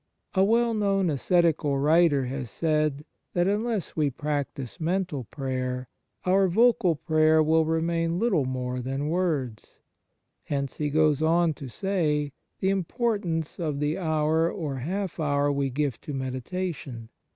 A well known ascetical writer has said that unless we practise mental prayer our vocal prayer will remain little more than words. Hence, he goes on to say, the importance of the hour or half hour we give to meditation.